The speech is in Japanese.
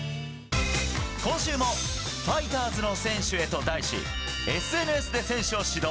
今週も「ファイターズの選手へ」と題しＳＮＳで選手を指導。